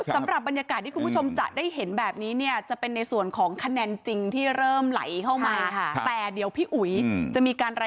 สำหรับบรรยากาศที่คุณผู้ชมจะได้เห็นแบบนี้เนี่ยจะเป็นในส่วนของคะแนนจริงที่เริ่มไหลเข้ามา